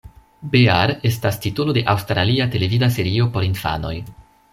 Bear estas titolo de aŭstralia televida serio por infanoj.